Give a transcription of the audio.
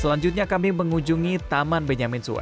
selanjutnya kami mengunjungi taman benyamin sua